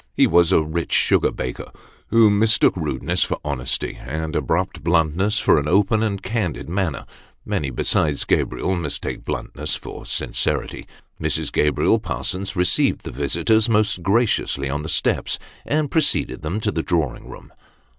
He was a rich sugar baker, who mistook rude ness for honesty, and abrupt bluntness for an open and candid manner ; many besides Gabriel mistake bluntness for sincerity. Mrs. Gabriel Parsons received the visitors most graciously on the steps, and preceded them to the drawing room.